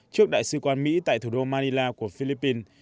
trước đại sứ quán mỹ tại thủ đô manila của philippines